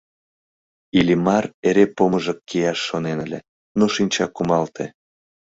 Иллимар эре помыжык кияш шонен ыле, но шинча кумалте.